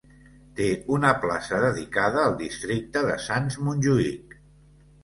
Té una plaça dedicada al districte de Sants-Montjuïc.